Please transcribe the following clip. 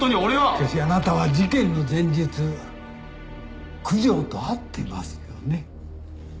しかしあなたは事件の前日九条と会ってますよね？